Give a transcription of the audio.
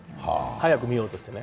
早く見ようとしてね。